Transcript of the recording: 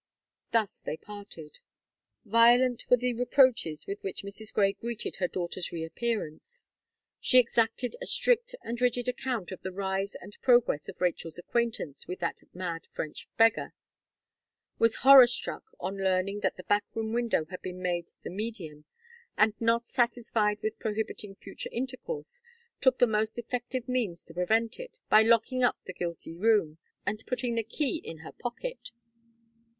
Thus they parted. Violent were the reproaches with which Mrs. Gray greeted her daughter's reappearance. She exacted a strict and rigid account of the rise and progress of Rachel's acquaintance with that "mad French beggar;" was horror struck on learning that the back room window had been made the medium; and not satisfied with prohibiting future intercourse, took the most effective means to prevent it, by locking up the guilty zoom, and putting the key in her pocket.